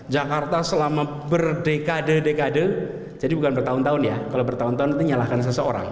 jakarta selama berdekade dekade jadi bukan bertahun tahun ya kalau bertahun tahun itu nyalahkan seseorang